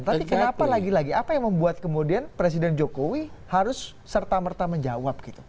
tapi kenapa lagi lagi apa yang membuat kemudian presiden jokowi harus serta merta menjawab gitu